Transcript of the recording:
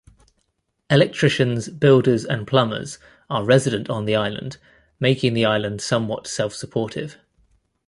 Electricians, builders and plumbers are resident on the Island, making the island somewhat self-supportive.